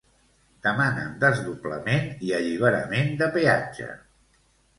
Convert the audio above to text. Demanen desdoblament i alliberament de peatge.